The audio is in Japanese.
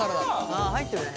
ああ入ってるね。